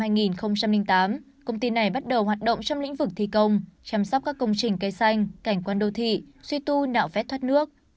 năm hai nghìn tám công ty này bắt đầu hoạt động trong lĩnh vực thi công chăm sóc các công trình cây xanh cảnh quan đô thị suy tu nạo vét thoát nước